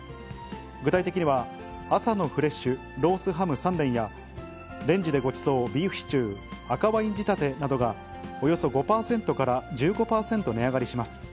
具体的には、朝のフレッシュロースハム３連や、レンジでごちそうビーフシチュー赤ワイン仕立てなどが、およそ５％から１５％値上がりします。